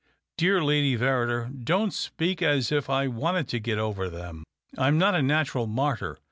" Dear Lady Verrider, don't speak as if I wanted to get over them. I'm not a natural martyr.